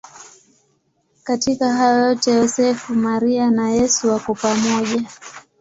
Katika hayo yote Yosefu, Maria na Yesu wako pamoja.